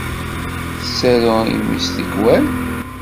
Tettaru i mmi-s tikwal.